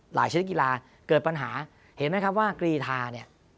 ชนิดกีฬาเกิดปัญหาเห็นไหมครับว่ากรีธาเนี่ย